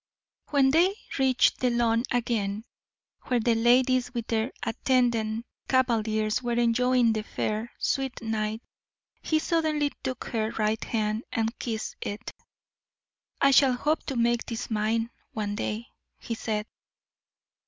When they reached the lawn again, where the ladies, with their attendant cavaliers, were enjoying the fair, sweet night, he suddenly took her right hand, and kissed it. "I shall hope to make this mine, one day," he said.